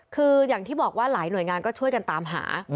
คืออย่างที่บอกว่าหลายหน่วยงานก็ช่วยกันตามหา